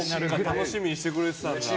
楽しみにしてくれてたんだ。